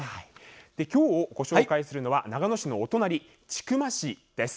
今日、ご紹介するのは長野市のお隣、千曲市です。